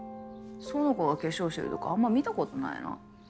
苑子が化粧してるとこあんま見たことないな。